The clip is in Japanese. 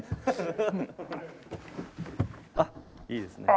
あっいいですね。